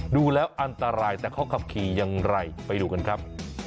ดูแล้วอันตรายแต่เขาขับขี่อย่างไรไปดูกันครับ